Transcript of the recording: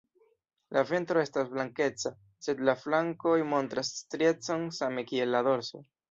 La ventro estas blankeca, sed la flankoj montras striecon same kiel la dorso.